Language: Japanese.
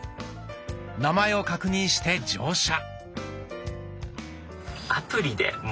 名前を確認して乗車。